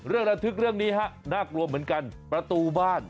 เรื่องระทึกเรื่องนี้น่ากลวมเหมือนกับประตูบ้าน